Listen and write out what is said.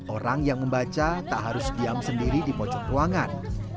orang yang membaca tak harus diam sendiri di pojok ruangan